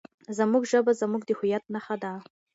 زموږ ژبه زموږ د هویت نښه ده.